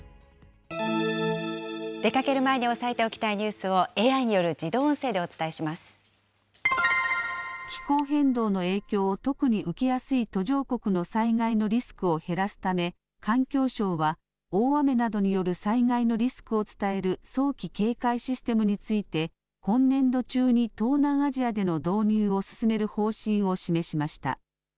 出かける前に押さえておきたいニュースをＡＩによる自動音声気候変動の影響を特に受けやすい途上国の災害のリスクを減らすため、環境省は、大雨などによる災害のリスクを伝える、早期警戒システムについて、今年度中に東南アジアでの導入を進める方針を示しました。